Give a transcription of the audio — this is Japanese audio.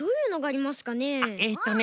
えっとね。